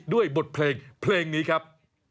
บทเพลงเพลงนี้ครับ